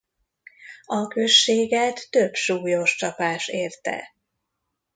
A községet több súlyos csapás érte.